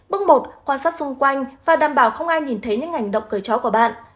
bước một quan sát xung quanh và đảm bảo không ai nhìn thấy những ảnh động cởi chói của bạn